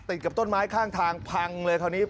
ติดกับต้นไม้ข้างทางพังเลยคราวนี้